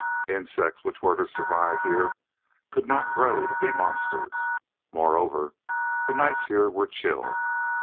Insects which were to survive, here, could not grow to be monsters. Moreover, the nights here were chill.